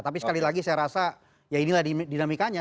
tapi sekali lagi saya rasa ya inilah dinamikanya